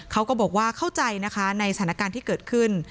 เขาก็บอกว่าเข้าใจนะคะในสถานการณ์ที่เกิดขึ้น